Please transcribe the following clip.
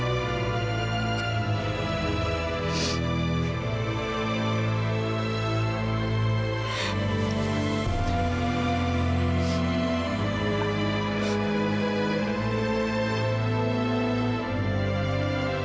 nanti kita ke hotline selanjutnya